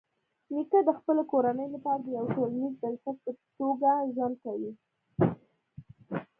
نیکه د خپلې کورنۍ لپاره د یوه ټولنیز بنسټ په توګه ژوند کوي.